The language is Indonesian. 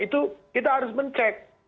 itu kita harus mencek